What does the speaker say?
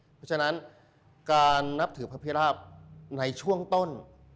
เพราะฉะนั้นการนับถือพระพิราบในช่วงต้น